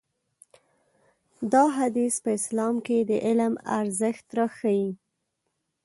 دا حديث په اسلام کې د علم ارزښت راښيي.